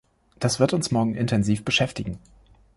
Das wird uns morgen intensiv beschäftigen.